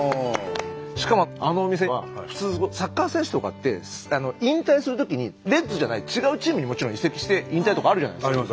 しかもあのお店普通サッカー選手とかって引退するときにレッズじゃない違うチームにもちろん移籍して引退とかあるじゃないですか。